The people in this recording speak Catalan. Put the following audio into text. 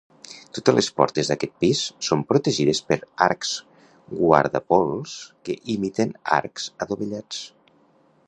Totes les portes d'aquest pis són protegides per arcs guardapols que imiten arcs adovellats.